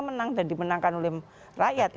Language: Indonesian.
menang dan dimenangkan oleh rakyat